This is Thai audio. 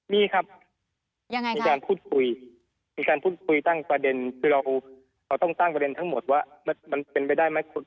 มีครับมีการพูดคุยมีการพูดคุยตั้งประเด็นคือเราต้องตั้งประเด็นทั้งหมดว่ามันเป็นไปได้ไหม